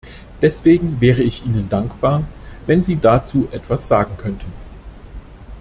Deswegen wäre ich Ihnen dankbar, wenn Sie dazu etwas sagen könnten.